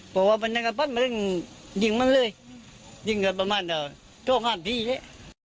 บอกว่ามันต้องกระปัดมาเรื่องจริงมั้งเลยจริงก็ประมาณต่อโทษห้ามพี่เลย